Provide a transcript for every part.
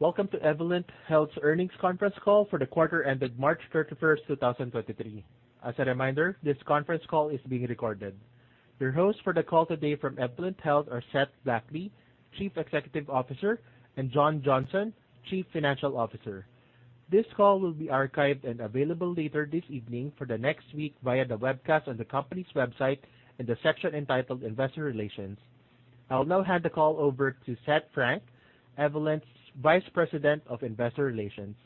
Welcome to Evolent Health's earnings conference call for the quarter ended March 31, 2023. As a reminder, this conference call is being recorded. Your hosts for the call today from Evolent Health are Seth Blackley, Chief Executive Officer, and John Johnson, Chief Financial Officer. This call will be archived and available later this evening for the next week via the webcast on the company's website in the section entitled Investor Relations. I'll now hand the call over to Seth Frank, Evolent's Vice President of Investor Relations.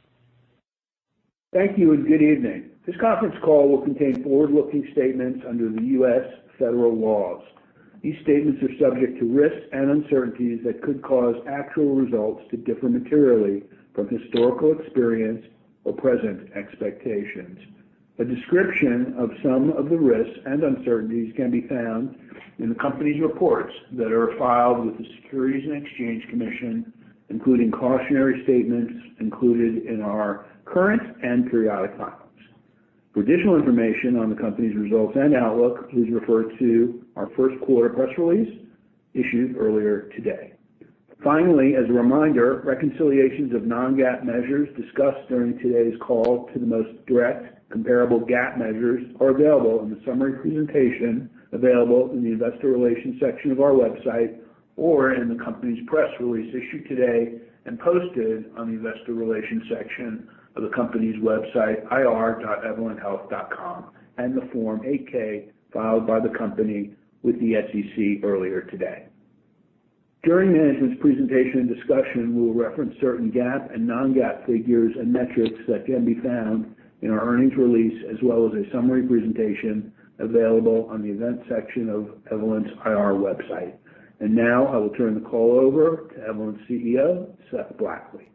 Thank you. Good evening. This conference call will contain forward-looking statements under the U.S. federal laws. These statements are subject to risks and uncertainties that could cause actual results to differ materially from historical experience or present expectations. A description of some of the risks and uncertainties can be found in the company's reports that are filed with the Securities and Exchange Commission, including cautionary statements included in our current and periodic filings. For additional information on the company's results and outlook, please refer to our first quarter press release issued earlier today. Finally, as a reminder, reconciliations of non-GAAP measures discussed during today's call to the most direct comparable GAAP measures are available in the summary presentation available in the investor relations section of our website, or in the company's press release issued today and posted on the investor relations section of the company's website, ir.evolenthealth.com, and the Form 8-K filed by the company with the SEC earlier today. During management's presentation and discussion, we will reference certain GAAP and non-GAAP figures and metrics that can be found in our earnings release, as well as a summary presentation available on the events section of Evolent's IR website. Now, I will turn the call over to Evolent's CEO, Seth Blackley.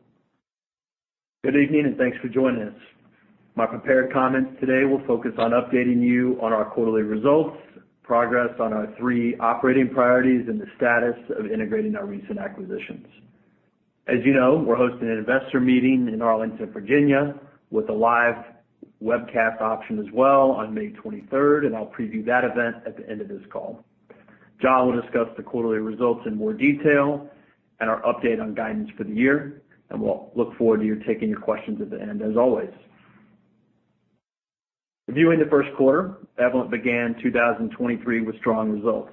Good evening, and thanks for joining us. My prepared comments today will focus on updating you on our quarterly results, progress on our three operating priorities, and the status of integrating our recent acquisitions. As you know, we're hosting an investor meeting in Arlington, Virginia, with a live webcast option as well on May 23rd, and I'll preview that event at the end of this call. John will discuss the quarterly results in more detail and our update on guidance for the year, and we'll look forward to taking your questions at the end, as always. Reviewing the first quarter, Evolent began 2023 with strong results.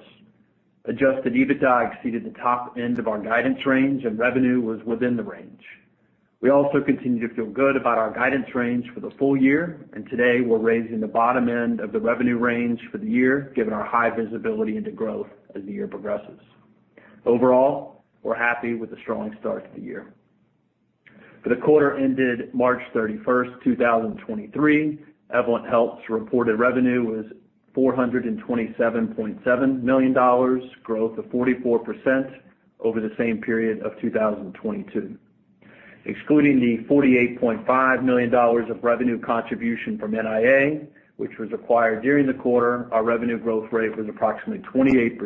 Adjusted EBITDA exceeded the top end of our guidance range, and revenue was within the range. We also continue to feel good about our guidance range for the full-year. Today we're raising the bottom end of the revenue range for the year, given our high visibility into growth as the year progresses. Overall, we're happy with the strong start to the year. For the quarter ended March 31st, 2023, Evolent Health's reported revenue was $427.7 million, growth of 44% over the same period of 2022. Excluding the $48.5 million of revenue contribution from NIA, which was acquired during the quarter, our revenue growth rate was approximately 28%,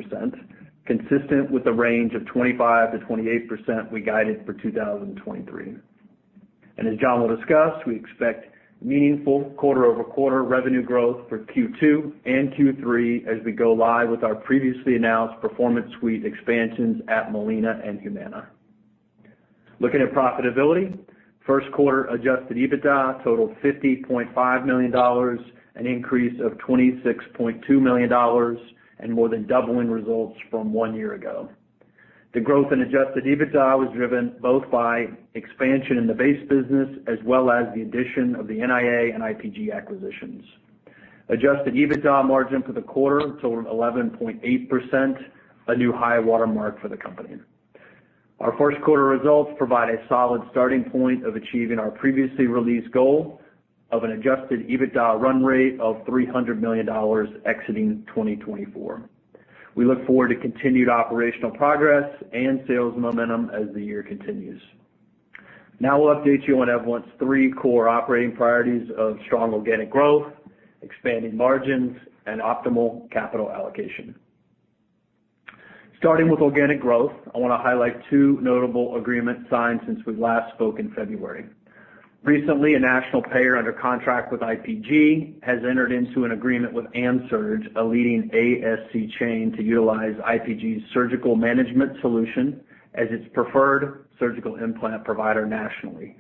consistent with the range of 25%-28% we guided for 2023. As John will discuss, we expect meaningful quarter-over-quarter revenue growth for Q2 and Q3 as we go live with our previously announced Performance Suite expansions at Molina and Humana. Looking at profitability, first quarter Adjusted EBITDA totaled $50.5 million, an increase of $26.2 million, and more than doubling results from one year ago. The growth in adjusted EBITDA was driven both by expansion in the base business as well as the addition of the NIA and IPG acquisitions. Adjusted EBITDA margin for the quarter totaled 11.8%, a new high watermark for the company. Our first quarter results provide a solid starting point of achieving our previously released goal of an adjusted EBITDA run rate of $300 million exiting 2024. We look forward to continued operational progress and sales momentum as the year continues. We'll update you on Evolent's three core operating priorities of strong organic growth, expanding margins, and optimal capital allocation. Starting with organic growth, I wanna highlight two notable agreements signed since we last spoke in February. Recently, a national payer under contract with IPG has entered into an agreement with AMSURG, a leading ASC chain, to utilize IPG's surgical management solution as its preferred surgical implant provider nationally.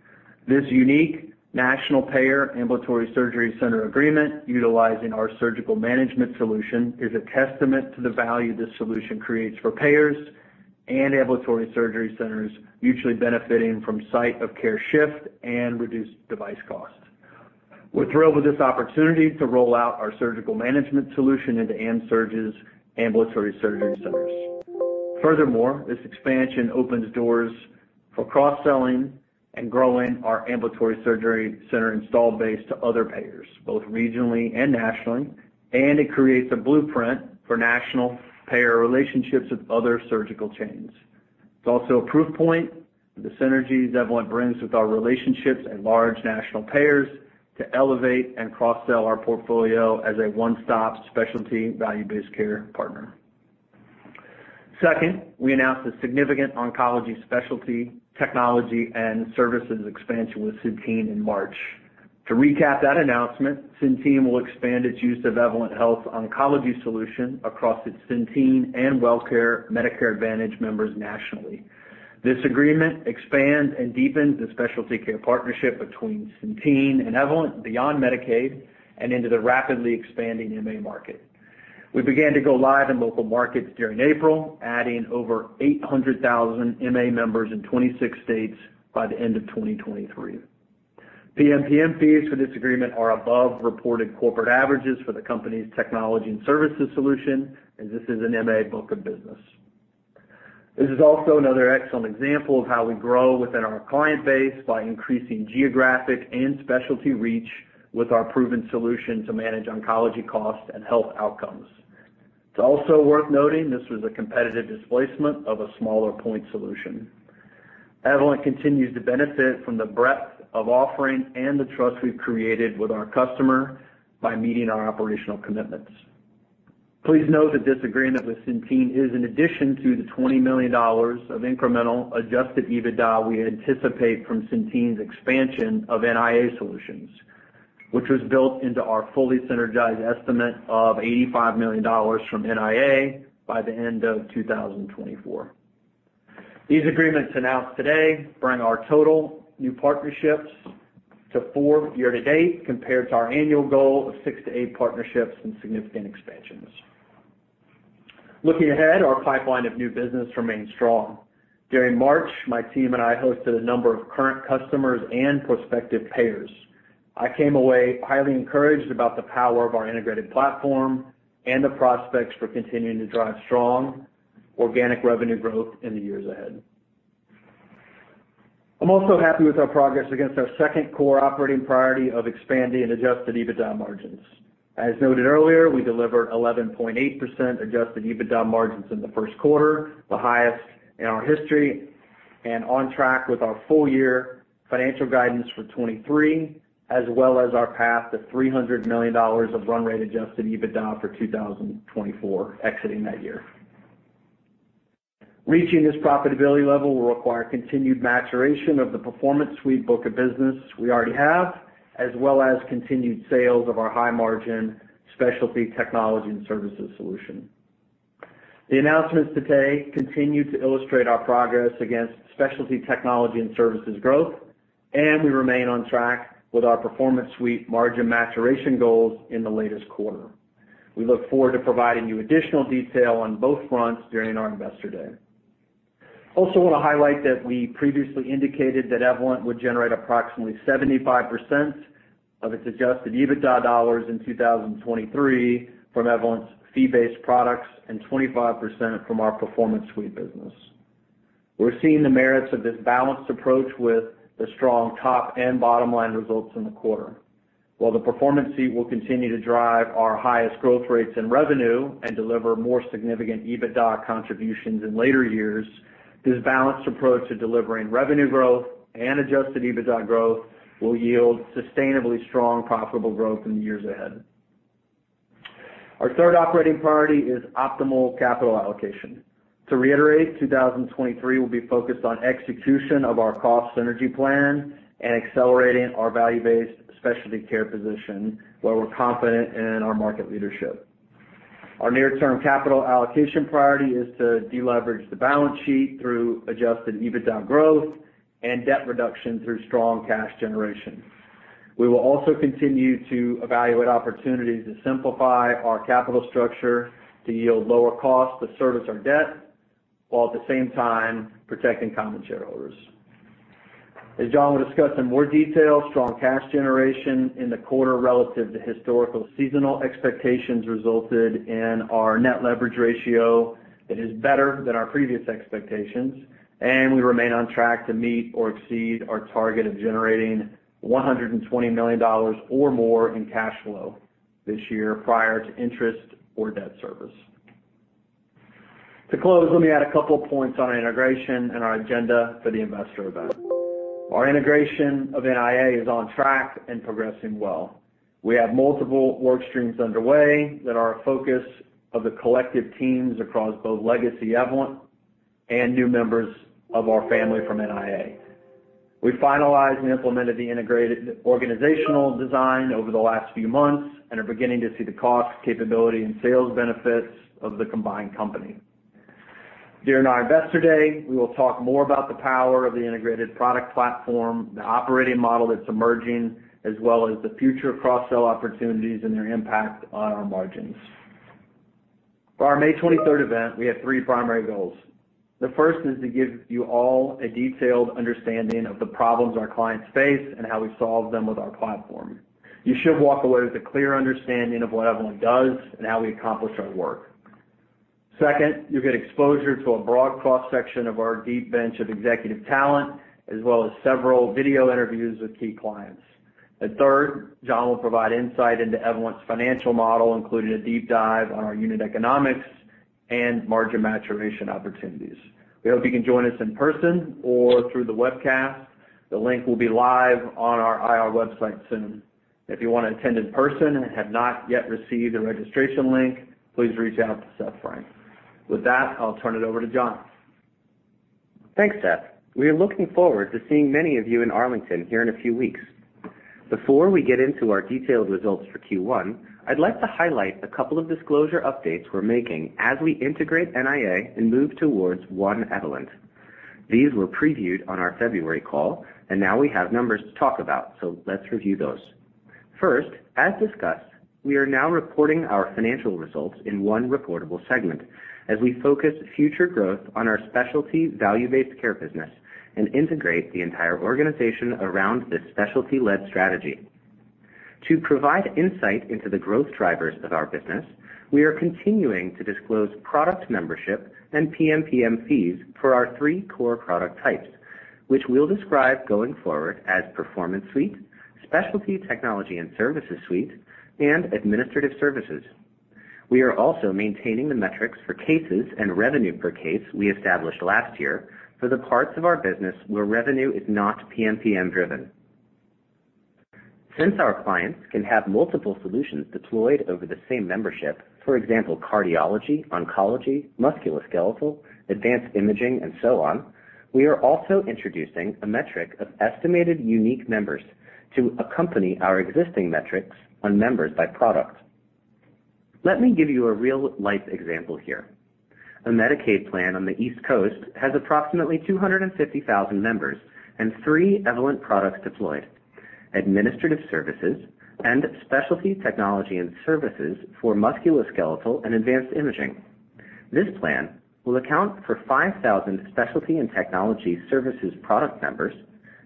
This unique national payer ambulatory surgery center agreement utilizing our surgical management solution is a testament to the value this solution creates for payers and ambulatory surgery centers, mutually benefiting from site of care shift and reduced device costs. We're thrilled with this opportunity to roll out our surgical management solution into AMSURG's ambulatory surgery centers. Furthermore, this expansion opens doors for cross-selling and growing our ambulatory surgery center installed base to other payers, both regionally and nationally. It creates a blueprint for national payer relationships with other surgical chains. It's also a proof point of the synergies Evolent brings with our relationships and large national payers to elevate and cross-sell our portfolio as a one-stop specialty value-based care partner. Second, we announced a significant oncology Specialty Technology and Services Suite expansion with Centene in March. To recap that announcement, Centene will expand its use of Evolent Health's oncology solution across its Centene and Wellcare Medicare Advantage members nationally. This agreement expands and deepens the specialty care partnership between Centene and Evolent beyond Medicaid and into the rapidly expanding MA market. We began to go live in local markets during April, adding over 800,000 MA members in 26 states by the end of 2023. PMPM fees for this agreement are above reported corporate averages for the company's technology and services solution. This is an MA book of business. This is also another excellent example of how we grow within our client base by increasing geographic and specialty reach with our proven solution to manage oncology costs and health outcomes. It's also worth noting this was a competitive displacement of a smaller point solution. Evolent continues to benefit from the breadth of offering and the trust we've created with our customers by meeting our operational commitments. Please note that this agreement with Centene is in addition to the $20 million of incremental adjusted EBITDA we anticipate from Centene's expansion of NIA solutions, which was built into our fully synergized estimate of $85 million from NIA by the end of 2024. These agreements announced today bring our total new partnerships to four year-to-date, compared to our annual goal of six to eight partnerships and significant expansions. Looking ahead, our pipeline of new business remains strong. During March, my team and I hosted a number of current customers and prospective payers. I came away highly encouraged about the power of our integrated platform and the prospects for continuing to drive strong organic revenue growth in the years ahead. I'm also happy with our progress against our second core operating priority of expanding adjusted EBITDA margins. As noted earlier, we delivered 11.8% adjusted EBITDA margins in the first quarter, the highest in our history, and on track with our full-year financial guidance for 2023, as well as our path to $300 million of run-rate adjusted EBITDA for 2024, exiting that year. Reaching this profitability level will require continued maturation of the Performance Suite book of business we already have, as well as continued sales of our high-margin Specialty Technology and Services solution. The announcements today continue to illustrate our progress against Specialty Technology and Services growth, and we remain on track with our Performance Suite margin maturation goals in the latest quarter. We look forward to providing you additional detail on both fronts during our Investor Day. Also wanna highlight that we previously indicated that Evolent would generate approximately 75% of its adjusted EBITDA dollars in 2023 from Evolent's fee-based products and 25% from our Performance Suite business. We're seeing the merits of this balanced approach with the strong top and bottom-line results in the quarter. While the Performance Suite will continue to drive our highest growth rates in revenue and deliver more significant EBITDA contributions in later years, this balanced approach to delivering revenue growth and adjusted EBITDA growth will yield sustainably strong profitable growth in the years ahead. Our third operating priority is optimal capital allocation. To reiterate, 2023 will be focused on execution of our cost synergy plan and accelerating our value-based specialty care position where we're confident in our market leadership. Our near-term capital allocation priority is to deleverage the balance sheet through adjusted EBITDA growth and debt reduction through strong cash generation. We will also continue to evaluate opportunities to simplify our capital structure to yield lower costs to service our debt, while at the same time protecting common shareholders. As John will discuss in more detail, strong cash generation in the quarter relative to historical seasonal expectations resulted in our net leverage ratio that is better than our previous expectations. We remain on track to meet or exceed our target of generating $120 million or more in cash flow this year prior to interest or debt service. To close, let me add a couple of points on our integration and our agenda for the investor event. Our integration of NIA is on track and progressing well. We have multiple work streams underway that are a focus of the collective teams across both legacy Evolent and new members of our family from NIA. We finalized and implemented the integrated organizational design over the last few months and are beginning to see the cost, capability, and sales benefits of the combined company. During our Investor Day, we will talk more about the power of the integrated product platform, the operating model that's emerging, as well as the future cross-sell opportunities and their impact on our margins. For our May 23rd event, we have three primary goals. The first is to give you all a detailed understanding of the problems our clients face and how we solve them with our platform. You should walk away with a clear understanding of what Evolent does and how we accomplish our work. Second, you'll get exposure to a broad cross-section of our deep bench of executive talent, as well as several video interviews with key clients. Third, John will provide insight into Evolent's financial model, including a deep dive on our unit economics and margin maturation opportunities. We hope you can join us in person or through the webcast. The link will be live on our IR website soon. If you wanna attend in person and have not yet received a registration link, please reach out to Seth Frank. With that, I'll turn it over to John. Thanks, Seth. We are looking forward to seeing many of you in Arlington here in a few weeks. Before we get into our detailed results for Q1, I'd like to highlight a couple of disclosure updates we're making as we integrate NIA and move towards one Evolent. These were previewed on our February call. Now we have numbers to talk about. Let's review those. First, as discussed, we are now reporting our financial results in one reportable segment as we focus future growth on our specialty value-based care business and integrate the entire organization around this specialty-led strategy. To provide insight into the growth drivers of our business, we are continuing to disclose product membership and PMPM fees for our three core product types, which we'll describe going forward as Performance Suite, Specialty Technology and Services Suite, and Administrative Services. We are also maintaining the metrics for cases and revenue per case we established last year for the parts of our business where revenue is not PMPM-driven. Since our clients can have multiple solutions deployed over the same membership, for example, cardiology, oncology, musculoskeletal, advanced imaging, and so on, we are also introducing a metric of estimated unique members to accompany our existing metrics on members by product. Let me give you a real-life example here. A Medicaid plan on the East Coast has approximately 250,000 members and three Evolent products deployed, Administrative Services and Specialty Technology and Services for musculoskeletal and advanced imaging. This plan will account for 5,000 Specialty Technology and Services product members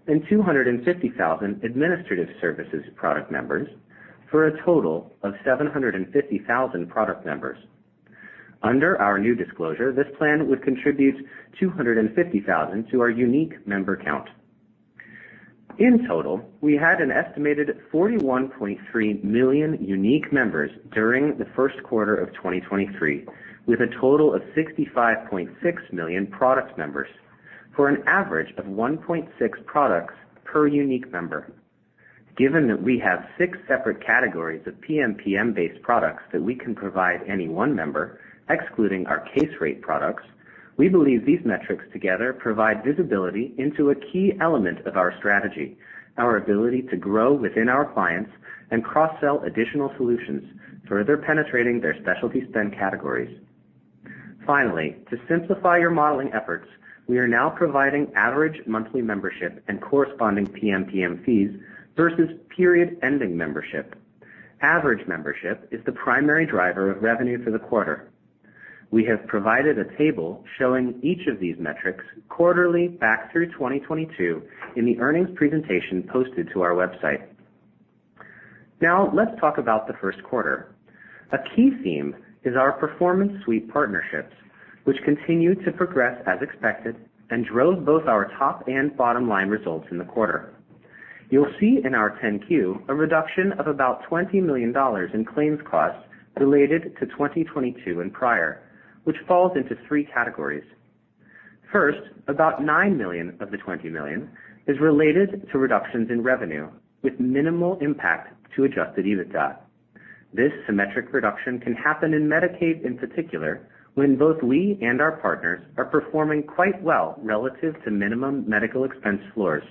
and 250,000 Administrative Services product members for a total of 750,000 product members. Under our new disclosure, this plan would contribute $250,000 to our unique member count. We had an estimated 41.3 million unique members during the first quarter of 2023, with a total of 65.6 million product members for an average of 1.6 products per unique member. Given that we have six separate categories of PMPM-based products that we can provide any one member, excluding our case rate products, we believe these metrics together provide visibility into a key element of our strategy, our ability to grow within our clients and cross-sell additional solutions, further penetrating their specialty spend categories. To simplify your modeling efforts, we are now providing average monthly membership and corresponding PMPM fees versus period ending membership. Average membership is the primary driver of revenue for the quarter. We have provided a table showing each of these metrics quarterly back through 2022 in the earnings presentation posted to our website. Let's talk about the first quarter. A key theme is our Performance Suite partnerships, which continued to progress as expected and drove both our top and bottom line results in the quarter. You'll see in our 10-Q a reduction of about $20 million in claims costs related to 2022 and prior, which falls into three categories. About $9 million of the $20 million is related to reductions in revenue with minimal impact to adjusted EBITDA. This symmetric reduction can happen in Medicaid, in particular, when both we and our partners are performing quite well relative to minimum medical expense floors.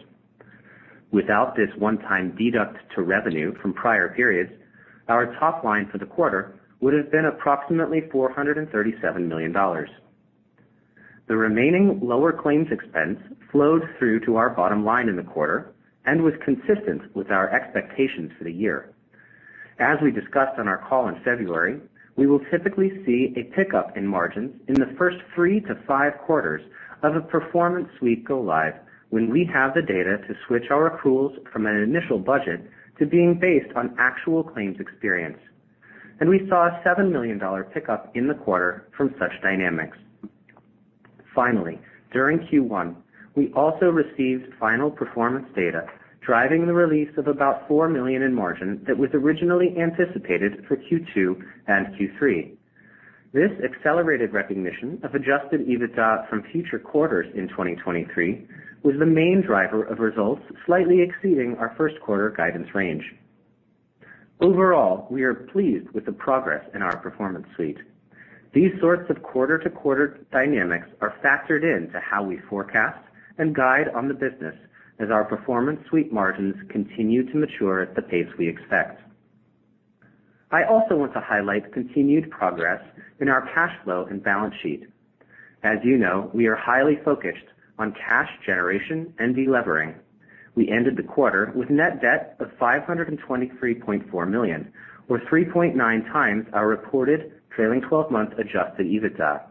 Without this one-time deduct to revenue from prior periods, our top line for the quarter would have been approximately $437 million. The remaining lower claims expense flowed through to our bottom line in the quarter and was consistent with our expectations for the year. As we discussed on our call in February, we will typically see a pickup in margins in the first three to five quarters of a Performance Suite go-live when we have the data to switch our accruals from an initial budget to being based on actual claims experience. We saw a $7 million pickup in the quarter from such dynamics. During Q1, we also received final performance data, driving the release of about $4 million in margin that was originally anticipated for Q2 and Q3. This accelerated recognition of adjusted EBITDA from future quarters in 2023 was the main driver of results slightly exceeding our first quarter guidance range. Overall, we are pleased with the progress in our Performance Suite. These sorts of quarter-to-quarter dynamics are factored into how we forecast and guide on the business as our Performance Suite margins continue to mature at the pace we expect. I also want to highlight continued progress in our cash flow and balance sheet. As you know, we are highly focused on cash generation and delevering. We ended the quarter with net debt of $523.4 million, or 3.9x our reported trailing 12-month adjusted EBITDA.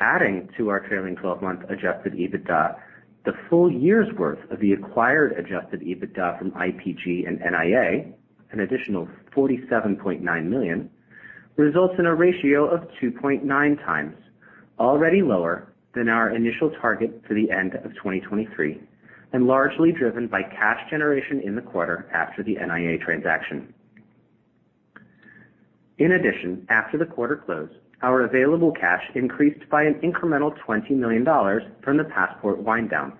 Adding to our trailing 12-month adjusted EBITDA, the full-year's worth of the acquired adjusted EBITDA from IPG and NIA, an additional $47.9 million, results in a ratio of 2.9x, already lower than our initial target for the end of 2023 and largely driven by cash generation in the quarter after the NIA transaction. In addition, after the quarter closed, our available cash increased by an incremental $20 million from the Passport wind-down.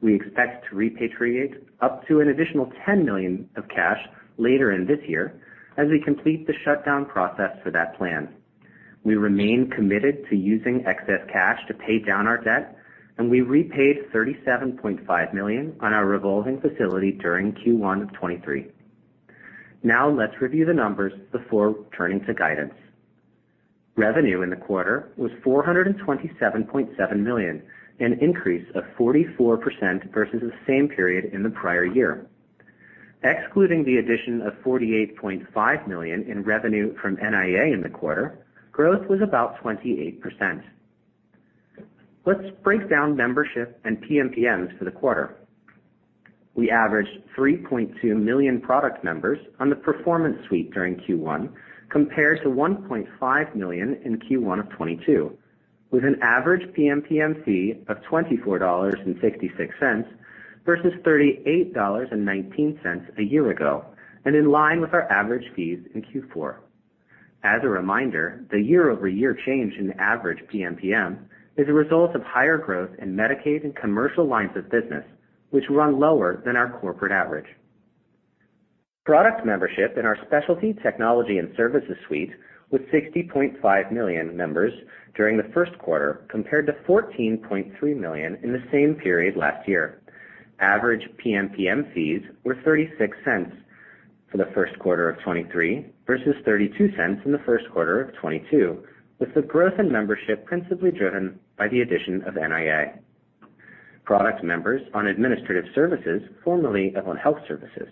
We expect to repatriate up to an additional $10 million of cash later in this year as we complete the shutdown process for that plan. We remain committed to using excess cash to pay down our debt, and we repaid $37.5 million on our revolving facility during Q1 of 2023. Let's review the numbers before turning to guidance. Revenue in the quarter was $427.7 million, an increase of 44% versus the same period in the prior year. Excluding the addition of $48.5 million in revenue from NIA in the quarter, growth was about 28%. Let's break down membership and PMPMs for the quarter. We averaged 3.2 million product members on the Performance Suite during Q1 compared to 1.5 million in Q1 of 2022, with an average PMPM fee of $24.66 versus $38.19 a year ago, and in line with our average fees in Q4. As a reminder, the year-over-year change in average PMPM is a result of higher growth in Medicaid and commercial lines of business, which run lower than our corporate average. Product membership in our Specialty Technology and Services Suite was 60.5 million members during the first quarter, compared to 14.3 million in the same period last year. Average PMPM fees were $0.36 for the first quarter of 2023 versus $0.32 in the first quarter of 2022, with the growth in membership principally driven by the addition of NIA. Product members on Administrative Services, formerly on health services,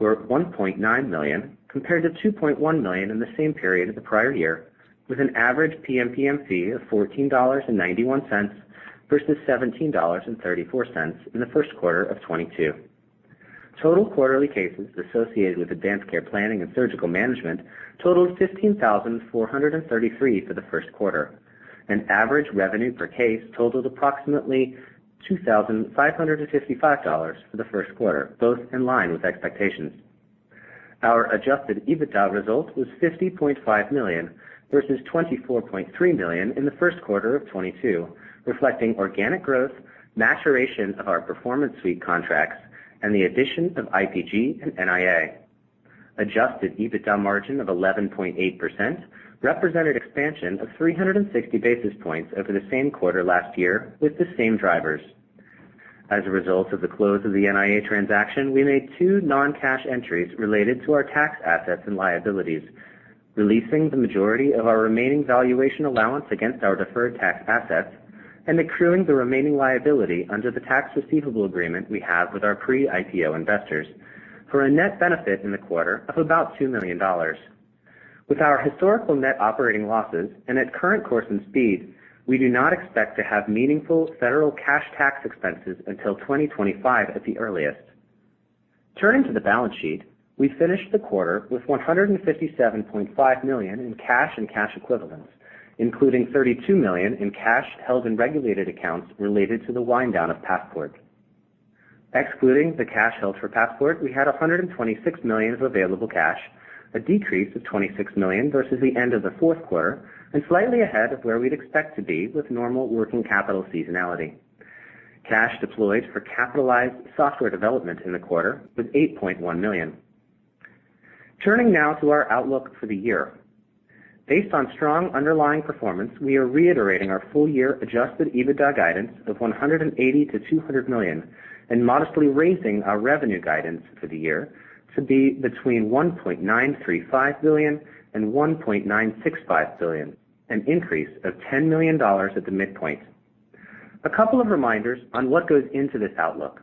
were 1.9 million compared to 2.1 million in the same period of the prior year, with an average PMPM fee of $14.91 versus $17.34 in the first quarter of 2022. Total quarterly cases associated with advanced care planning and surgical management totaled 15,433 for the first quarter, and average revenue per case totaled approximately $2,555 for the first quarter, both in line with expectations. Our adjusted EBITDA result was $50.5 million versus $24.3 million in the first quarter of 2022, reflecting organic growth, maturation of our Performance Suite contracts, and the addition of IPG and NIA. Adjusted EBITDA margin of 11.8% represented expansion of 360 basis points over the same quarter last year with the same drivers. As a result of the close of the NIA transaction, we made two non-cash entries related to our tax assets and liabilities, releasing the majority of our remaining valuation allowance against our deferred tax assets and accruing the remaining liability under the Tax Receivable Agreement we have with our pre-IPO investors for a net benefit in the quarter of about $2 million. With our historical net operating losses and at current course and speed, we do not expect to have meaningful federal cash tax expenses until 2025 at the earliest. Turning to the balance sheet, we finished the quarter with $157.5 million in cash and cash equivalents, including $32 million in cash held in regulated accounts related to the wind-down of Passport. Excluding the cash held for Passport, we had $126 million of available cash, a decrease of $26 million versus the end of the fourth quarter, and slightly ahead of where we'd expect to be with normal working capital seasonality. Cash deployed for capitalized software development in the quarter was $8.1 million. Turning now to our outlook for the year. Based on strong underlying performance, we are reiterating our full-year adjusted EBITDA guidance of $180 million-$200 million and modestly raising our revenue guidance for the year to be between $1.935 billion and $1.965 billion, an increase of $10 million at the midpoint. A couple of reminders on what goes into this Outlook.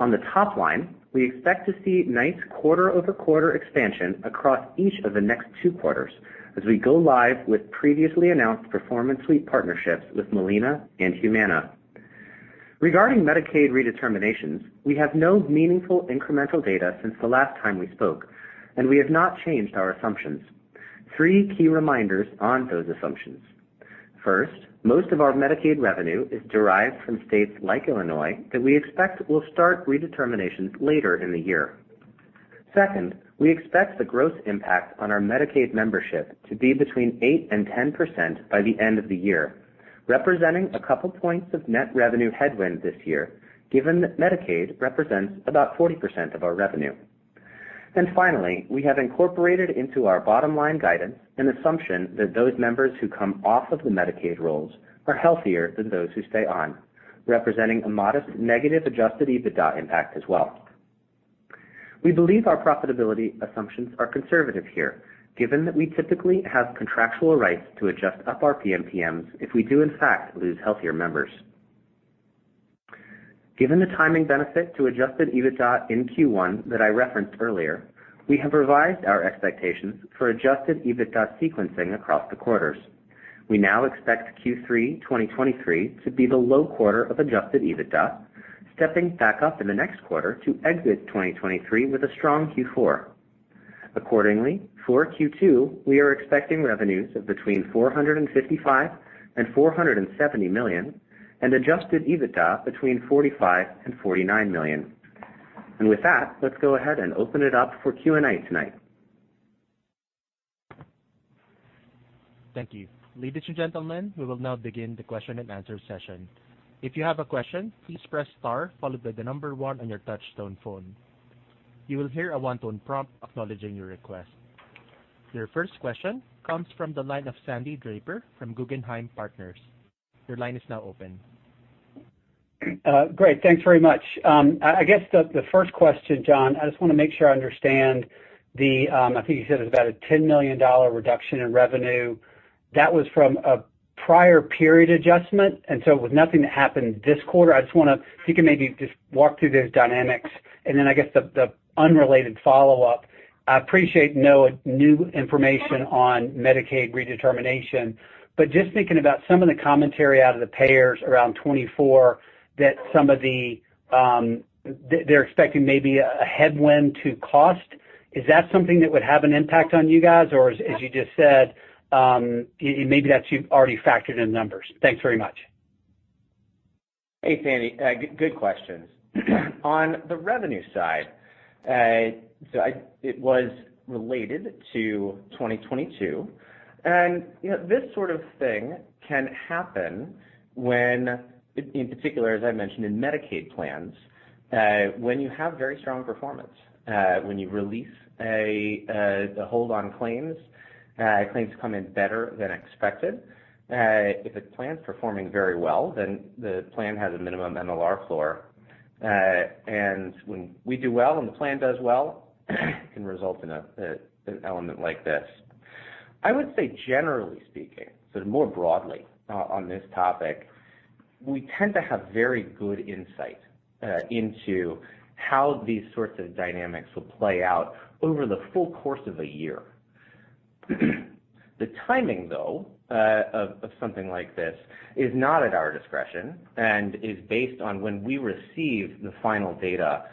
On the top line, we expect to see nice quarter-over-quarter expansion across each of the next two quarters as we go live with previously announced Performance Suite partnerships with Molina and Humana. Regarding Medicaid redeterminations, we have no meaningful incremental data since the last time we spoke, and we have not changed our assumptions. Three key reminders on those assumptions. First, most of our Medicaid revenue is derived from states like Illinois that we expect will start redeterminations later in the year. Second, we expect the gross impact on our Medicaid membership to be between 8% and 10% by the end of the year, representing a couple of points of net revenue headwind this year, given that Medicaid represents about 40% of our revenue. Finally, we have incorporated into our bottom line guidance an assumption that those members who come off of the Medicaid rolls are healthier than those who stay on, representing a modest negative adjusted EBITDA impact as well. We believe our profitability assumptions are conservative here, given that we typically have contractual rights to adjust up our PMPMs if we do in fact lose healthier members. Given the timing benefit to adjusted EBITDA in Q1 that I referenced earlier, we have revised our expectations for adjusted EBITDA sequencing across the quarters. We now expect Q3 2023 to be the low quarter of adjusted EBITDA, stepping back up in the next quarter to exit 2023 with a strong Q4. Accordingly, for Q2, we are expecting revenues of between $455 million and $470 million and adjusted EBITDA between $45 million and $49 million. With that, let's go ahead and open it up for Q&A tonight. Thank you. Ladies and gentlemen, we will now begin the question and answer session. If you have a question, please press star followed by number one on your touch-tone phone. You will hear a one-tone prompt acknowledging your request. Your first question comes from the line of Sandy Draper from Guggenheim Partners. Your line is now open. Great. Thanks very much. I guess the first question, Jon, I just wanna make sure I understand the, I think you said it was about a $10 million reduction in revenue. That was from a prior period adjustment, and so it was nothing that happened this quarter. If you can maybe just walk through those dynamics. Then I guess the unrelated follow-up, I appreciate no new information on Medicaid redetermination. Just thinking about some of the commentary out of the payers around 2024 that some of the, they're expecting maybe a headwind to cost. Is that something that would have an impact on you guys? Or as you just said, maybe that's you've already factored in the numbers. Thanks very much. Hey, Sandy. Good, good questions. On the revenue side, so it was related to 2022. You know, this sort of thing can happen when, in particular, as I mentioned in Medicaid plans, when you have very strong performance, when you release the hold on claims come in better than expected. If a plan's performing very well, then the plan has a minimum MLR floor. When we do well, and the plan does well, it can result in an element like this. I would say generally speaking, more broadly on this topic, we tend to have very good insight, into how these sorts of dynamics will play out over the full course of a year. The timing, though, of something like this is not at our discretion and is based on when we receive the final data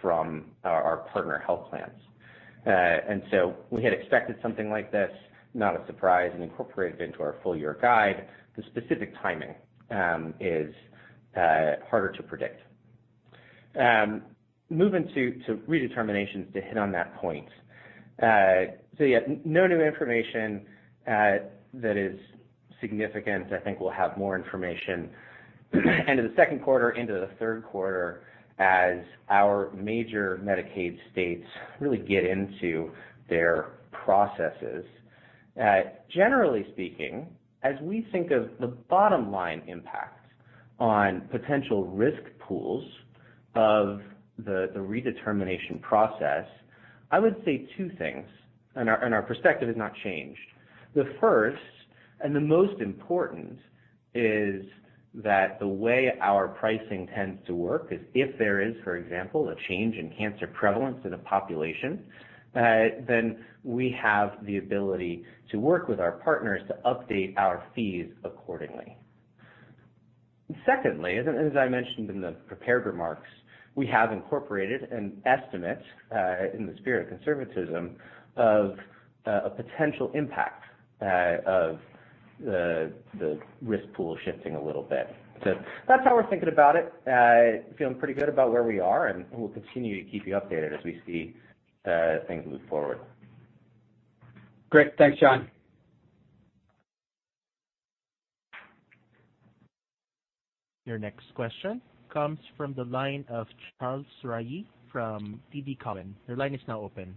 from our partner health plans. We had expected something like this, not a surprise, and incorporated it into our full-year guide. The specific timing is harder to predict. Moving to redeterminations to hit on that point. Yeah, no new information that is significant. I think we'll have more information into the second quarter, into the third quarter as our major Medicaid states really get into their processes. Generally speaking, as we think of the bottom line impact on potential risk pools of the redetermination process, I would say two things, and our perspective has not changed. The first and the most important is that the way our pricing tends to work is if there is, for example, a change in cancer prevalence in a population, then we have the ability to work with our partners to update our fees accordingly. Secondly, as I mentioned in the prepared remarks, we have incorporated an estimate in the spirit of conservatism, of a potential impact of the risk pool shifting a little bit. That's how we're thinking about it. Feeling pretty good about where we are, and we'll continue to keep you updated as we see things move forward. Great. Thanks, Jon. Your next question comes from the line of Charles Rhyee from TD Cowen. Your line is now open.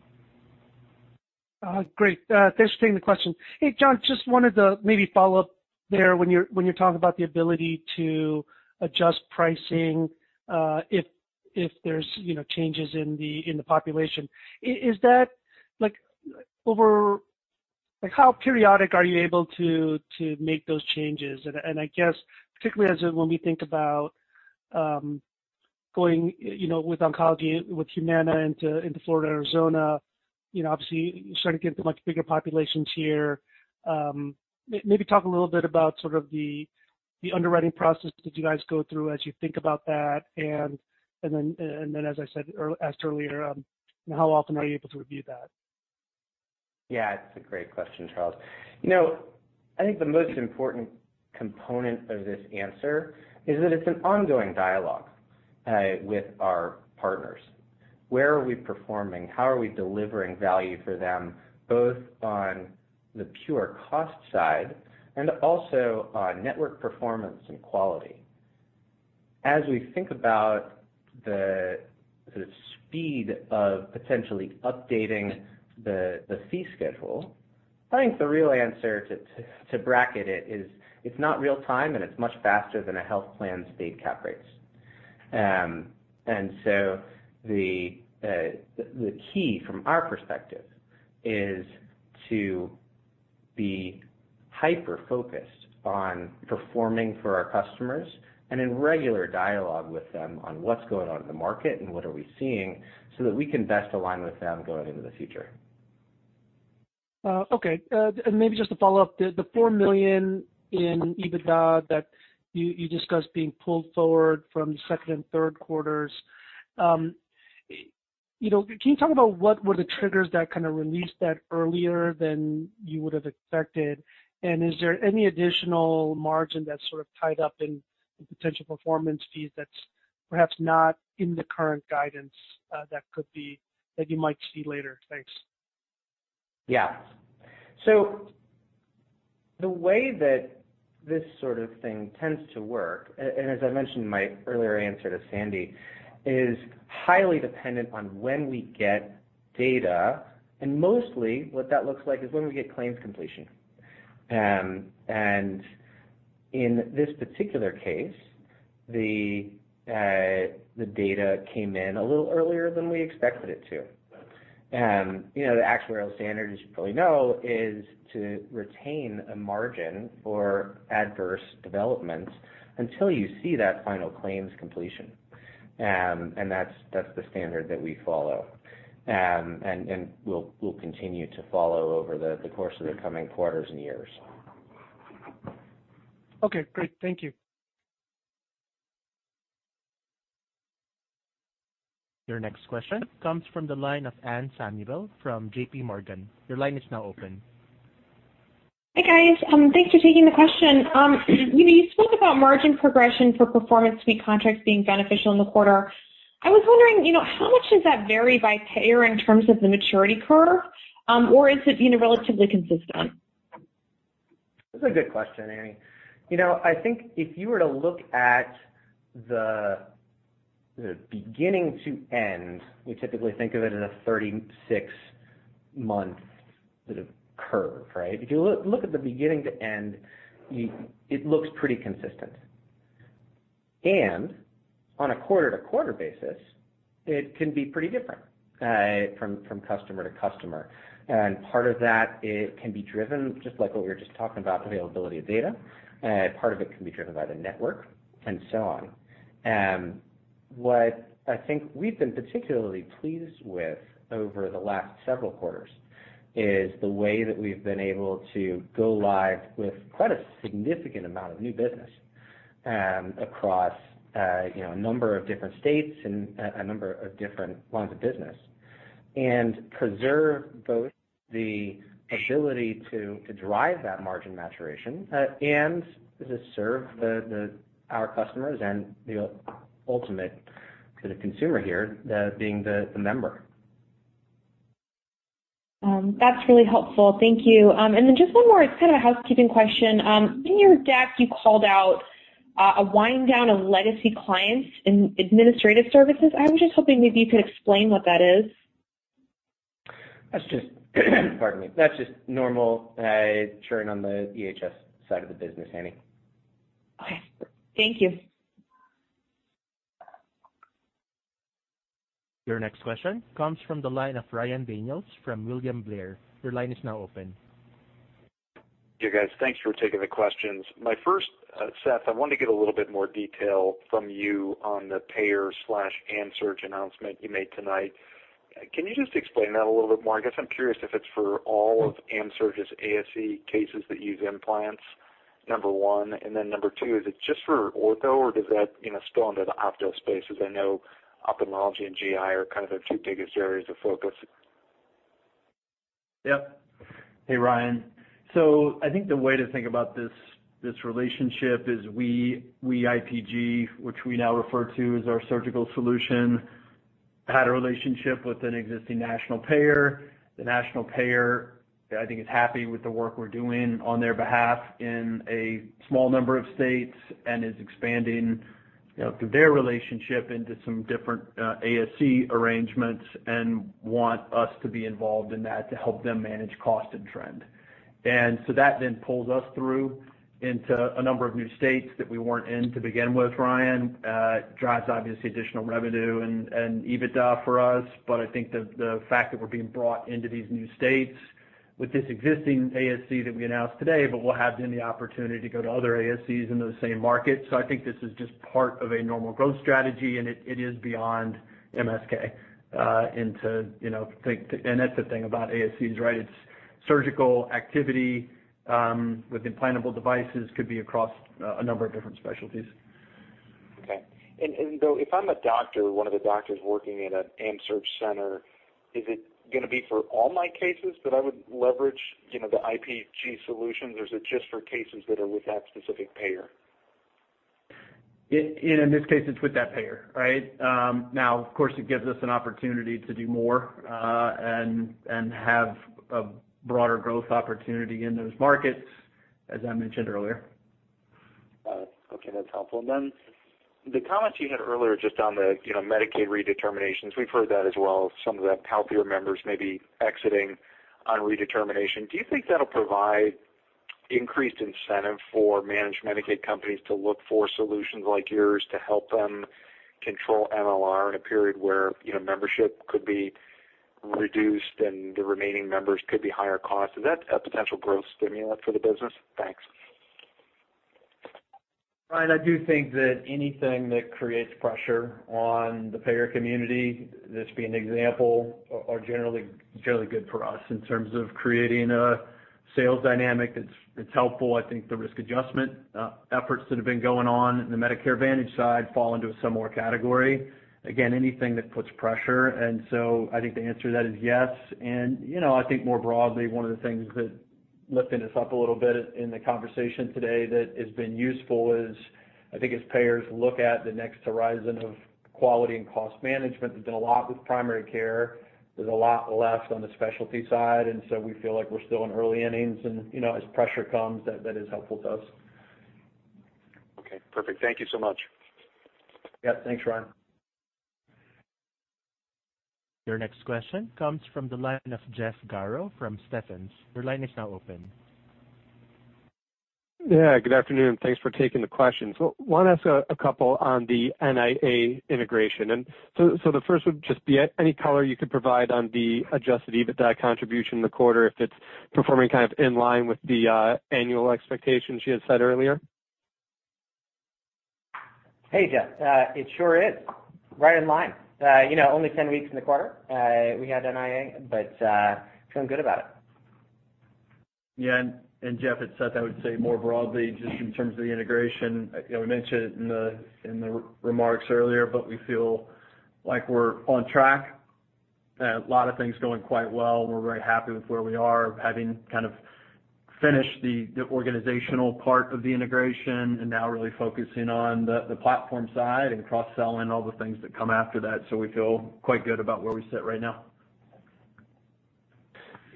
Great. Thanks for taking the question. Hey, Jon, just wanted to maybe follow up there when you're, when you're talking about the ability to adjust pricing, if there's, you know, changes in the, in the population. How periodic are you able to make those changes? I guess particularly as, when we think about going, with oncology, with Humana into Florida and Arizona, you know, obviously, you're starting to get into much bigger populations here. Maybe talk a little bit about sort of the underwriting process that you guys go through as you think about that. Then, as I asked earlier, you know, how often are you able to review that? Yeah, it's a great question, Charles. You know, I think the most important component of this answer is that it's an ongoing dialogue with our partners. Where are we performing? How are we delivering value for them, both on the pure cost side and also on network performance and quality? As we think about the speed of potentially updating the fee schedule, I think the real answer to bracket it is it's not real time, and it's much faster than a health plan's state cap rates. The key from our perspective is to be hyper-focused on performing for our customers and in regular dialogue with them on what's going on in the market and what are we seeing so that we can best align with them going into the future. Okay. Maybe just to follow up, the $4 million in EBITDA that you discussed being pulled forward from the second and third quarters. You know, can you talk about what were the triggers that kind of released that earlier than you would have expected? Is there any additional margin that's sort of tied up in potential performance fees that's perhaps not in the current guidance, that could be that you might see later? Thanks. Yeah. The way that this sort of thing tends to work, and as I mentioned in my earlier answer to Sandy, is highly dependent on when we get data, and mostly what that looks like is when we get claims completion. In this particular case, the data came in a little earlier than we expected it to. You know, the actuarial standard, as you probably know, is to retain a margin for adverse developments until you see that final claims completion. That's the standard that we follow. We'll continue to follow over the course of the coming quarters and years. Okay, great. Thank you. Your next question comes from the line of Anne Samuel from JPMorgan. Your line is now open. Hi, guys. thanks for taking the question. You spoke about margin progression for Performance Suite contracts being beneficial in the quarter. I was wondering, you know, how much does that vary by payer in terms of the maturity curve, or is it, you know, relatively consistent? That's a good question, Annie. You know, I think if you were to look at the beginning to end, we typically think of it as a 36-month sort of curve, right? If you look at the beginning to end, it looks pretty consistent. And on a quarter-to-quarter basis, it can be pretty different from customer to customer. And part of that it can be driven just like what we were just talking about, availability of data, part of it can be driven by the network, and so on. What I think we've been particularly pleased with over the last several quarters is the way that we've been able to go live with quite a significant amount of new business across, you know, a number of different states and a number of different lines of business. Preserve both the ability to drive that margin maturation and to serve our customers and the ultimate sort of consumer here, being the member. That's really helpful. Thank you. Just one more, it's kind of a housekeeping question. In your deck, you called out a wind down of legacy clients in Administrative Services. I'm just hoping maybe you could explain what that is. That's just normal churn on the EHS side of the business, Anne. Okay. Thank you. Your next question comes from the line of Ryan Daniels from William Blair. Your line is now open. Hey, guys. Thanks for taking the questions. My first, Seth, I wanted to get a little bit more detail from you on the payer/AMSURG announcement you made tonight. Can you just explain that a little bit more? I guess I'm curious if it's for all of AMSURG's ASC cases that use implants, number one? Then number two, is it just for ortho or does that, you know, spill into the opto space? Because I know ophthalmology and GI are kind of the two biggest areas of focus. Yep. Hey, Ryan. I think the way to think about this relationship is we IPG, which we now refer to as our surgical solution, had a relationship with an existing national payer. The national payer, I think, is happy with the work we're doing on their behalf in a small number of states and is expanding, you know, through their relationship into some different ASC arrangements and want us to be involved in that to help them manage cost and trend. That then pulls us through into a number of new states that we weren't in to begin with, Ryan. Drives obviously additional revenue and EBITDA for us. I think the fact that we're being brought into these new states with this existing ASC that we announced today, but we'll have then the opportunity to go to other ASCs in those same markets. I think this is just part of a normal growth strategy, and it is beyond MSK. That's the thing about ASCs, right? It's surgical activity with implantable devices could be across a number of different specialties. Okay. Though, if I'm a doctor, one of the doctors working in an AMSURG center, is it gonna be for all my cases that I would leverage, you know, the IPG solutions, or is it just for cases that are with that specific payer? In this case, it's with that payer, right? Now, of course, it gives us an opportunity to do more, and have a broader growth opportunity in those markets, as I mentioned earlier. Got it. Okay, that's helpful. The comments you had earlier just on the, you know, Medicaid redeterminations, we've heard that as well, some of the healthier members may be exiting on redetermination. Do you think that'll provide increased incentive for managed Medicaid companies to look for solutions like yours to help them control MLR in a period where, you know, membership could be reduced, and the remaining members could be higher cost? Is that a potential growth stimulant for the business? Thanks. Ryan Daniels, I do think that anything that creates pressure on the payer community, this being an example, are generally good for us in terms of creating a sales dynamic that's helpful. I think the risk adjustment efforts that have been going on in the Medicare Advantage side fall into a similar category. Again, anything that puts pressure. I think the answer to that is yes. You know, I think more broadly, one of the things that Lifting this up a little bit in the conversation today that has been useful is, I think as payers look at the next horizon of quality and cost management, there's been a lot with primary care, there's a lot left on the specialty side, and so we feel like we're still in early innings and, you know, as pressure comes, that is helpful to us. Okay, perfect. Thank you so much. Yeah, thanks, Ryan. Your next question comes from the line of Jeff Garro from Stephens. Your line is now open. Yeah, good afternoon. Thanks for taking the questions. Well, wanna ask a couple on the NIA integration. So the first would just be any color you could provide on the adjusted EBITDA contribution in the quarter, if it's performing kind of in line with the annual expectations you had set earlier? Hey, Jeff. it sure is. Right in line. you know, only 10 weeks in the quarter, we had NIA. Feeling good about it. Yeah, Jeff, it's Seth, I would say more broadly, just in terms of the integration, you know, we mentioned it in the, in the remarks earlier. We feel like we're on track. A lot of things going quite well. We're very happy with where we are, having kind of finished the organizational part of the integration, and now really focusing on the platform side and cross-sell and all the things that come after that. We feel quite good about where we sit right now.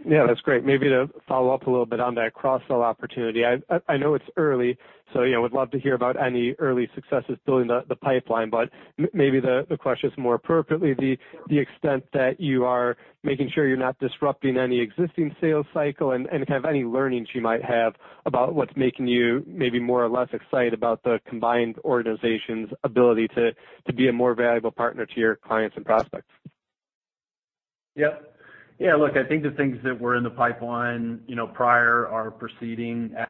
Yeah, that's great. Maybe to follow up a little bit on that cross-sell opportunity. I know it's early, so yeah, would love to hear about any early successes building the pipeline. Maybe the question is more appropriately the extent that you are making sure you're not disrupting any existing sales cycle and kind of any learnings you might have about what's making you maybe more or less excited about the combined organization's ability to be a more valuable partner to your clients and prospects. Yep. Yeah, look, I think the things that were in the pipeline, you know, prior are proceeding as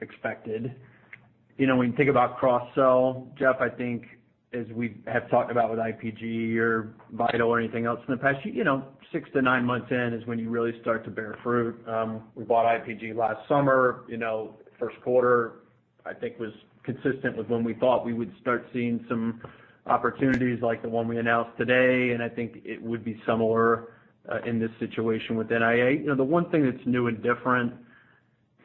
expected. You know, when you think about cross-sell, Jeff, I think as we have talked about with IPG or Vital or anything else in the past, you know, six to nine months in is when you really start to bear fruit. We bought IPG last summer. You know, first quarter I think was consistent with when we thought we would start seeing some opportunities like the one we announced today, and I think it would be similar in this situation with NIA. You know, the one thing that's new and different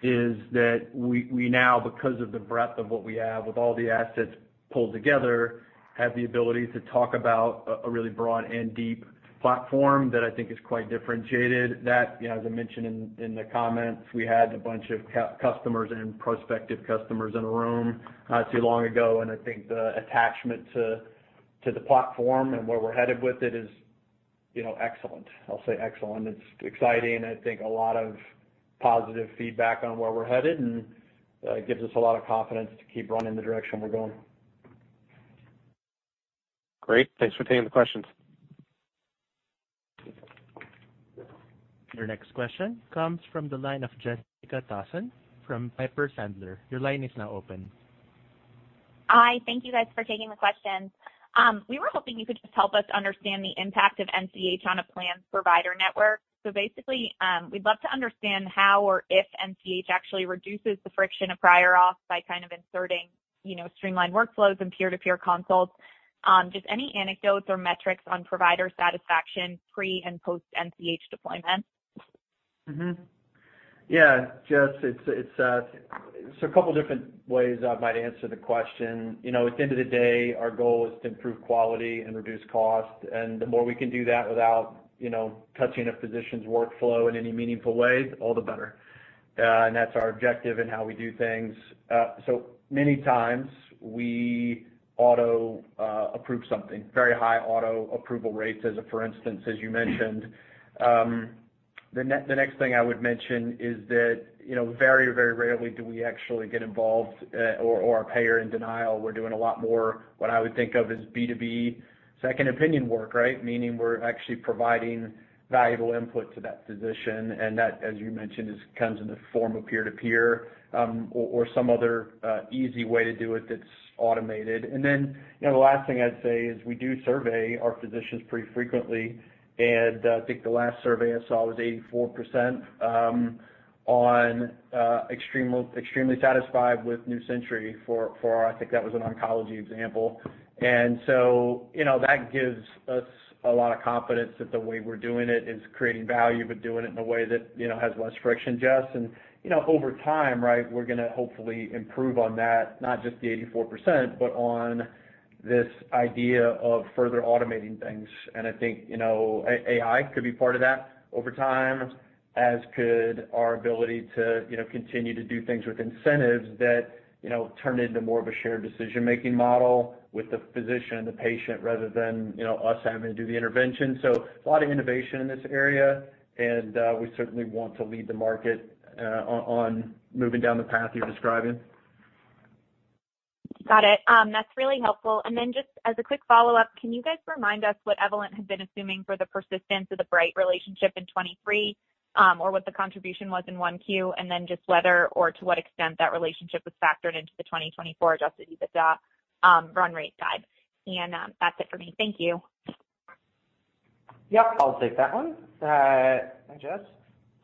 is that we now, because of the breadth of what we have with all the assets pulled together, have the ability to talk about a really broad and deep platform that I think is quite differentiated. You know, as I mentioned in the comments, we had a bunch of customers and prospective customers in a room not too long ago. I think the attachment to the platform and where we're headed with it is, you know, excellent. I'll say excellent. It's exciting and I think a lot of positive feedback on where we're headed. It gives us a lot of confidence to keep running the direction we're going. Great. Thanks for taking the questions. Your next question comes from the line of Jessica Tassan from Piper Sandler. Your line is now open. Hi. Thank you guys for taking the questions. We were hoping you could just help us understand the impact of NCH on a planned provider network. Basically, we'd love to understand how or if NCH actually reduces the friction of prior auth by kind of inserting, you know, streamlined workflows and peer-to-peer consults. Just any anecdotes or metrics on provider satisfaction pre and post NCH deployment? Jess, it's a couple different ways I might answer the question. You know, at the end of the day, our goal is to improve quality and reduce cost. The more we can do that without, you know, touching a physician's workflow in any meaningful way, all the better. That's our objective in how we do things. Many times we auto-approve something, very high auto approval rates as a for instance, as you mentioned. The next thing I would mention is that, you know, very, very rarely do we actually get involved, or a payer in denial. We're doing a lot more what I would think of as B2B second opinion work, right? Meaning we're actually providing valuable input to that physician. That, as you mentioned, comes in the form of peer-to-peer, or some other easy way to do it that's automated. Then, you know, the last thing I'd say is we do survey our physicians pretty frequently, and I think the last survey I saw was 84% on extremely satisfied with New Century Health. I think that was an oncology example. So, you know, that gives us a lot of confidence that the way we're doing it is creating value, but doing it in a way that, you know, has less friction, Jess. You know, over time, right, we're gonna hopefully improve on that, not just the 84%, but on this idea of further automating things. I think, you know, AI could be part of that over time, as could our ability to, you know, continue to do things with incentives that, you know, turn into more of a shared decision-making model with the physician and the patient rather than, you know, us having to do the intervention. A lot of innovation in this area, and we certainly want to lead the market on moving down the path you're describing. Got it. That's really helpful. Just as a quick follow-up, can you guys remind us what Evolent had been assuming for the persistence of the Bright relationship in 2023, or what the contribution was in 1Q? Just whether or to what extent that relationship was factored into the 2024 adjusted EBITDA, run rate guide. That's it for me. Thank you. Yep, I'll take that one. Hi, Jess.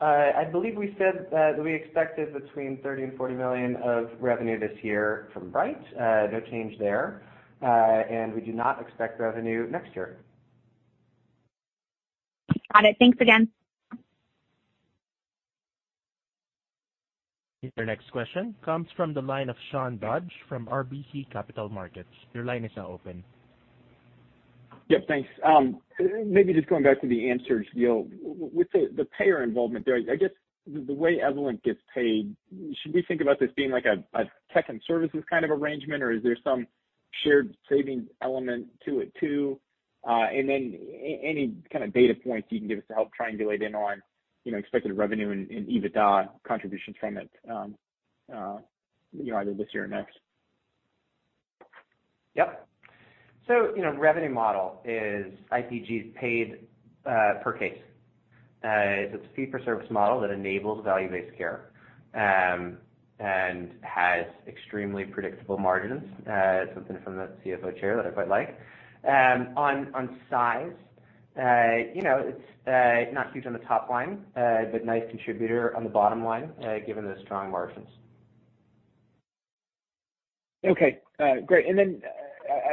I believe we said that we expected between $30 million and $40 million of revenue this year from Bright Health. No change there. We do not expect revenue next year. Got it. Thanks again. Your next question comes from the line of Sean Dodge from RBC Capital Markets. Your line is now open. Yep, thanks. Maybe just going back to the AMSURG deal. With the payer involvement there, I guess the way Evolent gets paid, should we think about this being like a tech and services kind of arrangement, or is there some shared savings element to it too? And then any kind of data points you can give us to help triangulate in on, you know, expected revenue and EBITDA contributions from it, you know, either this year or next. Yep, you know, revenue model is IPG's paid per case. It's a fee-for-service model that enables value-based care and has extremely predictable margins, something from the CFO chair that I quite like. On size, you know, it's not huge on the top line, but a nice contributor on the bottom line, given the strong margins. Okay, great. Then,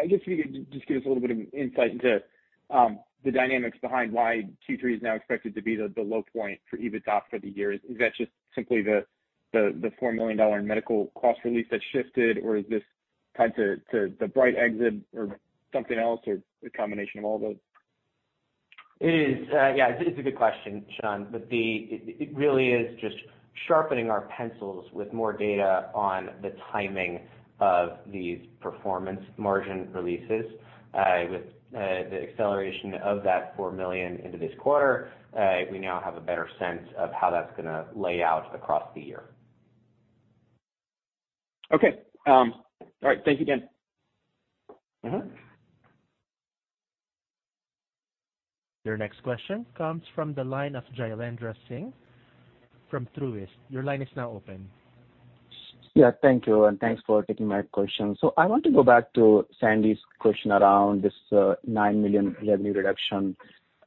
I guess if you could just give us a little bit of insight into the dynamics behind why Q3 is now expected to be the low point for EBITDA for the year. Is that just simply the $4 million in medical cost release that shifted, or is this tied to the Bright exit or something else, or a combination of all those? It is. Yeah, it's a good question, Sean. It really is just sharpening our pencils with more data on the timing of these performance margin releases. With the acceleration of that $4 million into this quarter, we now have a better sense of how that's gonna lay out across the year. Okay. All right, thanks again. Mm-hmm. Your next question comes from the line of Jailendra Singh from Truist. Your line is now open. Yeah, thank you, and thanks for taking my question. I want to go back to Sandy's question around this $9 million revenue reduction.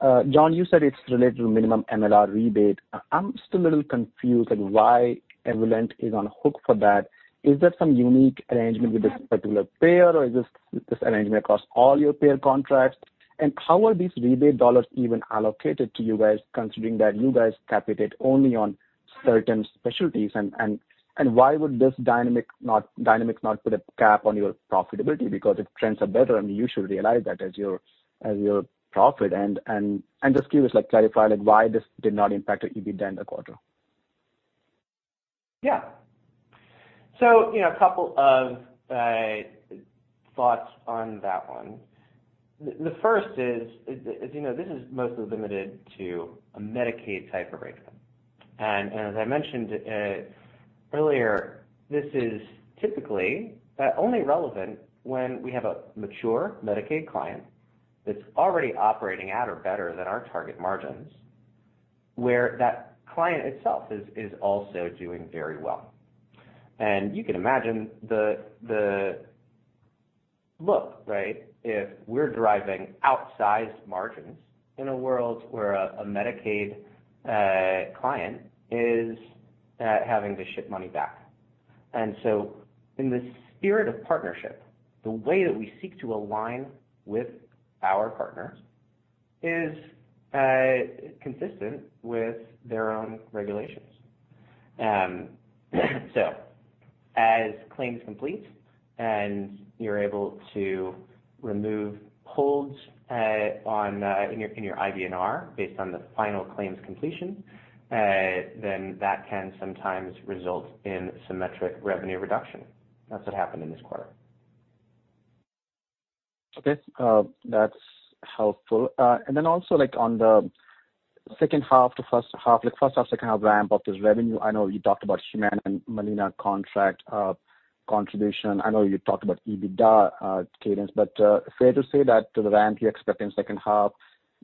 John, you said it's related to minimum MLR rebate. I'm still a little confused, like why Evolent is on hook for that. Is there some unique arrangement with this particular payer, or is this arrangement across all your payer contracts? How are these rebate dollars even allocated to you guys considering that you guys cap it at only on certain specialties and why would this dynamics not put a cap on your profitability because if trends are better then you should realize that as your profit and just give us like clarify like why this did not impact your EBITDA in the quarter? Yeah. You know, a couple of thoughts on that one. The first is, you know, this is mostly limited to a Medicaid-type arrangement. As I mentioned earlier, this is typically only relevant when we have a mature Medicaid client that's already operating at or better than our target margins, where that client itself is also doing very well. You can imagine the look, right? If we're driving outsized margins in a world where a Medicaid client is having to ship money back. In the spirit of partnership, the way that we seek to align with our partners is consistent with their own regulations. As claims complete and you're able to remove holds on in your, in your IBNR based on the final claims completion, that can sometimes result in symmetric revenue reduction. That's what happened in this quarter. Okay. That's helpful. Also like on the second half to first half, like first half, second half ramp of this revenue, I know you talked about Humana and Molina contract, contribution. I know you talked about EBITDA, cadence, but fair to say that the ramp you expect in second half,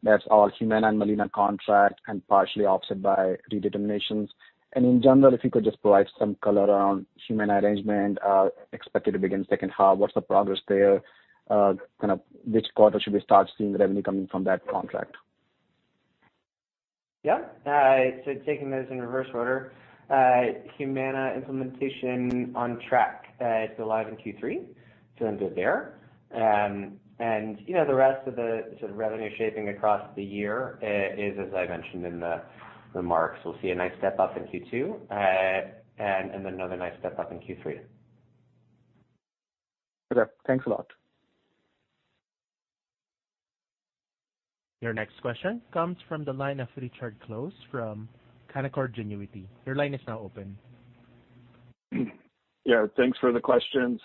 that's all Humana and Molina contract and partially offset by redeterminations. In general, if you could just provide some color around Humana arrangement, expected to begin second half. What's the progress there? Kind of which quarter should we start seeing the revenue coming from that contract? Yeah. taking those in reverse order, Humana implementation on track. it's live in Q3, under there. You know, the rest of the sort of revenue shaping across the year is, as I mentioned in the remarks, we'll see a nice step up in Q2, and another nice step up in Q3. Okay. Thanks a lot. Your next question comes from the line of Richard Close from Canaccord Genuity. Your line is now open. Yeah, thanks for the questions.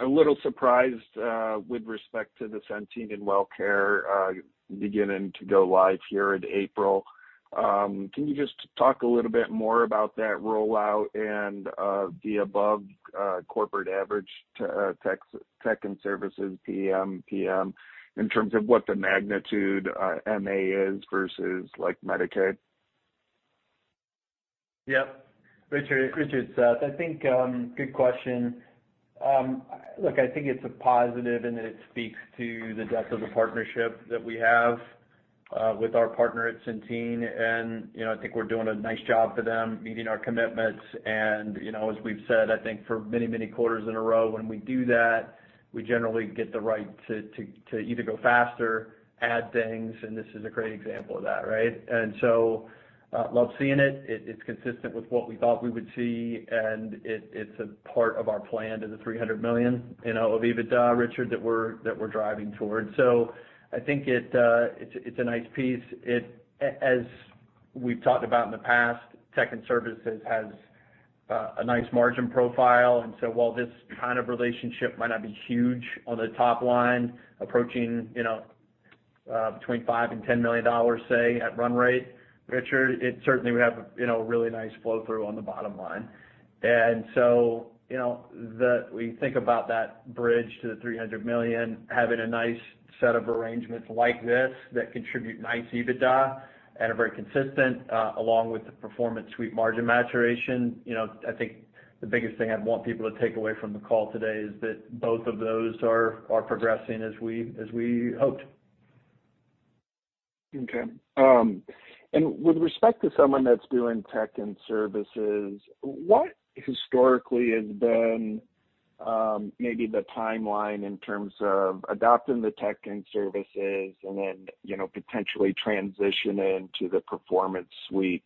A little surprised with respect to the Centene and Wellcare beginning to go live here in April. Can you just talk a little bit more about that rollout and the above corporate average tech and services PM in terms of what the magnitude MA is versus like Medicaid? Yep. Richard, Seth, I think good question. Look, I think it's a positive, and it speaks to the depth of the partnership that we have with our partner at Centene. You know, I think we're doing a nice job for them meeting our commitments. You know, as we've said, I think for many, many quarters in a row when we do that we generally get the right to either go faster, add things, and this is a great example of that, right? Love seeing it. It's consistent with what we thought we would see, and it's a part of our plan to the $300 million in our EBITDA, Richard, that we're driving towards. I think it's a nice piece. As we've talked about in the past, tech and services has a nice margin profile. While this kind of relationship might not be huge on the top line, approaching, you know, between $5 million and $10 million, say, at run-rate, Richard, it certainly would have, you know, a really nice flow-through on the bottom line. You know, we think about that bridge to the $300 million, having a nice set of arrangements like this that contribute nice EBITDA and are very consistent, along with the Performance Suite margin maturation. You know, I think the biggest thing I'd want people to take away from the call today is that both of those are progressing as we hoped. Okay. With respect to someone that's doing tech and services, what historically has been, maybe the timeline in terms of adopting the tech and services, and then, you know, potentially transitioning to the Performance Suite?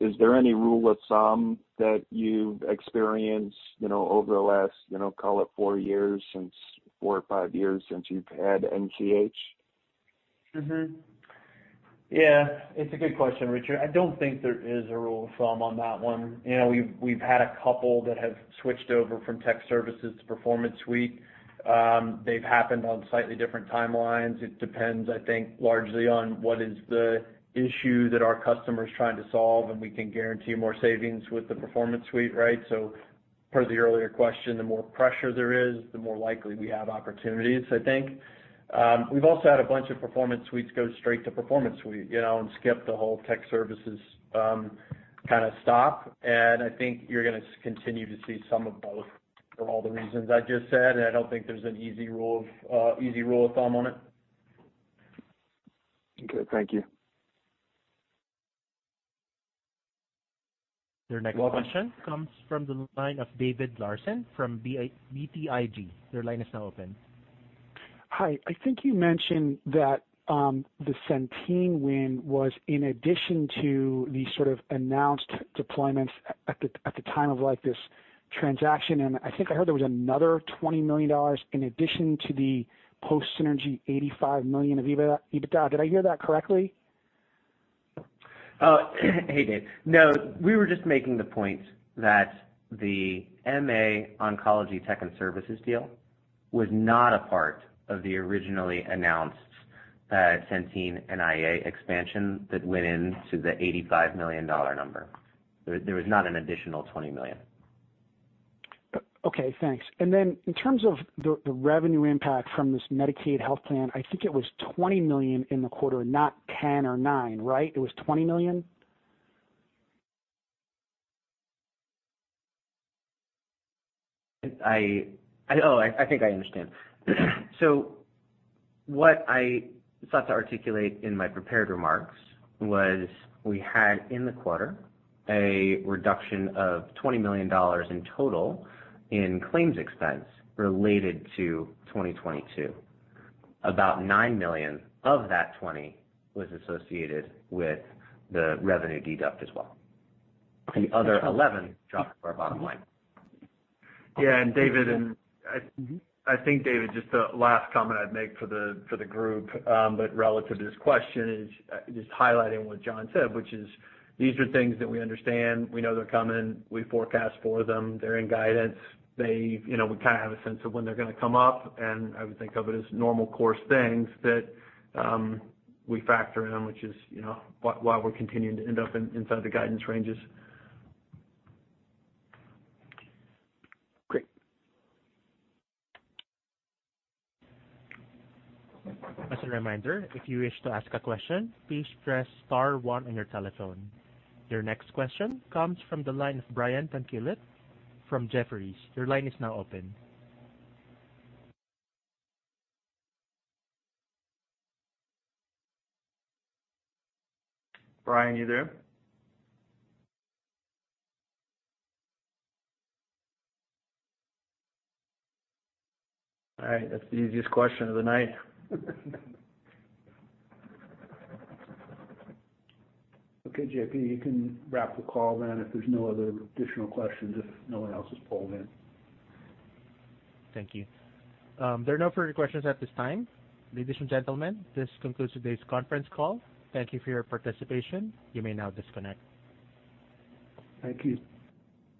Is there any rule of thumb that you've experienced, you know, over the last, you know, call it four years, since four or five years since you've had NCH? Yeah, it's a good question, Richard. I don't think there is a rule of thumb on that one. You know, we've had a couple that have switched over from tech services to Performance Suite. They've happened on slightly different timelines. It depends, I think, largely on what is the issue that our customer is trying to solve, and we can guarantee more savings with the Performance Suite, right? Per the earlier question, the more pressure there is, the more likely we have opportunities, I think. We've also had a bunch of Performance Suites go straight to Performance Suite, you know, and skip the whole tech services, kind of stop. I think you're gonna continue to see some of both for all the reasons I just said, and I don't think there's an easy rule of thumb on it. Okay. Thank you. Your next question comes from the line of David Larsen from BTIG. Your line is now open. Hi. I think you mentioned that, the Centene win was in addition to the sort of announced deployments at the time of, this transaction, and I think I heard there was another $20 million in addition to the post synergy $85 million of EBITDA. Did I hear that correctly? Oh. Hey, Dave. No, we were just making the point that the MA Oncology tech and services deal was not a part of the originally announced Centene NIA expansion that went into the $85 million number. There was not an additional $20 million. Okay, thanks. In terms of the revenue impact from this Medicaid health plan, I think it was $20 million in the quarter, not $10 or $9, right? It was $20 million? Oh, I think I understand. What I sought to articulate in my prepared remarks was we had, in the quarter, a reduction of $20 million in total in claims expense related to 2022. About $9 million of that $20 was associated with the revenue deduct as well. The other $11 dropped to our bottom line. Yeah. David, and I think, David, just the last comment I'd make for the group, Relative to this question is just highlighting what Jon said, which is these are things that we understand. We know they're coming. We forecast for them. They're in guidance. You know, we kind of have a sense of when they're gonna come up, I would think of it as normal course things that we factor in, which is, you know, why we're continuing to end up inside the guidance ranges. Great. As a reminder, if you wish to ask a question, please press star one on your telephone. Your next question comes from the line of Brian Tanquilut from Jefferies. Your line is now open. Brian, you there? All right, that's the easiest question of the night. JP, you can wrap the call then if there's no other additional questions, if no one else has polled in. Thank you. There are no further questions at this time. Ladies and gentlemen, this concludes today's conference call. Thank you for your participation. You may now disconnect. Thank you.